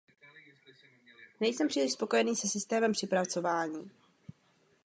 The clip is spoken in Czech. Nejsem příliš spokojený se systémem přepracovávání.